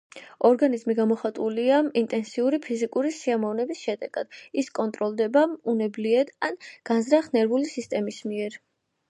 ორგაზმი გამოხატულია ინტენსიური ფიზიკური სიამოვნების შედეგად, ის კონტროლდება უნებლიეთ ან განზრახ ნერვული სისტემის მიერ.